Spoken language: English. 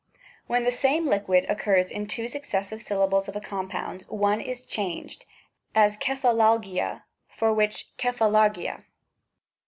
When the same liquid occurs in two . successive syllables of a compound, one is changed; as xtcpuXaX yia^ for which xhcpakaqyia.